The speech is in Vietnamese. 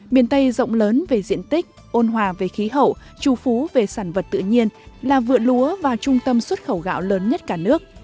miền tây rộng lớn về diện tích ôn hòa về khí hậu trù phú về sản vật tự nhiên là vượt lúa và trung tâm xuất khẩu gạo lớn nhất cả nước